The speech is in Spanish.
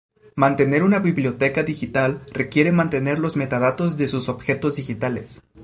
Mantener una biblioteca digital requiere mantener los metadatos de sus objetos digitales.